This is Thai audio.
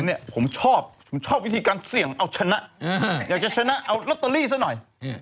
ผมชอบผมชอบวิธีการเสี่ยงเอาชนะอยากจะชนะเอาลอตเตอรี่ซะหน่อย